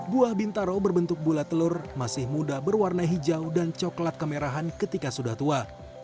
buah bintaro berbentuk bulat telur masih muda berwarna hijau dan coklat kemerahan ketika sudah tua